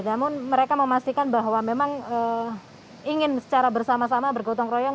namun mereka memastikan bahwa memang ingin secara bersama sama bergotong royong